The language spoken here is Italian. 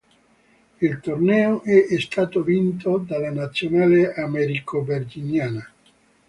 Il torneo è stato vinto dalla nazionale americo-verginiana.